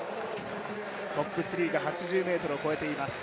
トップ３が８０ｍを越えています。